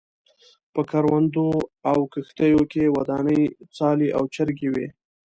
په کروندو او کښتو کې ودانې څالې او چرګۍ وې.